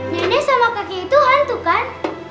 nenek sama kaki itu hantu kan